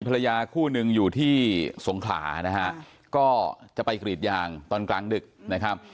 ภรรยาคู่หนึ่งอยู่ที่สงขลานะฮะก็จะไปกรีดยางตอนกลางดึกนะครับ